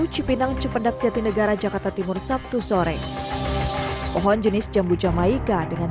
cipinang cepedak jatinegara jakarta timur sabtu sore pohon jenis jambu jamaika dengan